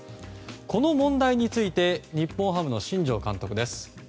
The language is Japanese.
この問題について日本ハムの新庄監督です。